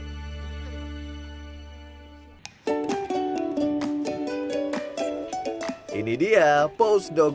kucing kucing tersebut mendapatkan gelar terbaik di setiap tahunnya